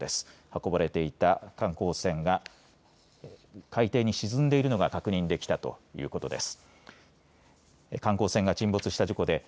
運ばれていた観光船が海底に沈んでいるのが確認できたということです。